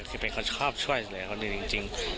คือเป็นคนชอบช่วยเหลือคนหนึ่งจริง